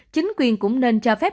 chính quyền cũng nên cho phép